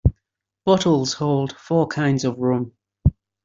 Bottles hold four kinds of rum.